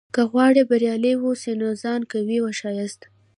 که غواړې بریالی واوسې؛ نو ځان قوي وښیاست!